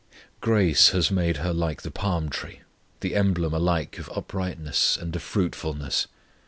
Grace has made her like the palm tree, the emblem alike of uprightness and of fruitfulness.